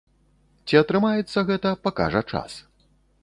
Ці атрымаецца гэта, пакажа час.